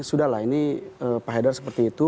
sudah lah ini pak haidar seperti itu